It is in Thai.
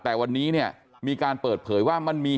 แต่วันนี้เนี่ยมีการเปิดเผยว่ามันมี